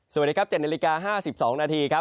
สวัสดีครับ๗นาฬิกา๕๒นาทีครับ